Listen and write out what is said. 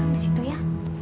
di situ ya